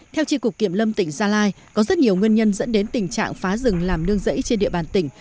theo tri cục kiểm lâm tỉnh gia lai có rất nhiều nguyên nhân dẫn đến tình trạng phá rừng làm nương rẫy trên địa bàn tỉnh